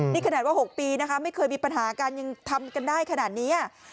นี่ขนาดว่า๖ปีนะคะไม่เคยมีปัญหากันยังทำกันได้ขนาดนี้